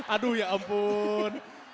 aduh ya ampun